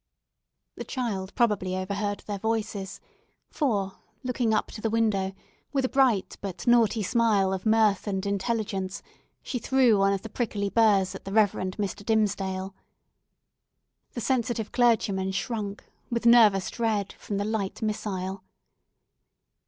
The child probably overheard their voices, for, looking up to the window with a bright, but naughty smile of mirth and intelligence, she threw one of the prickly burrs at the Rev. Mr. Dimmesdale. The sensitive clergyman shrank, with nervous dread, from the light missile.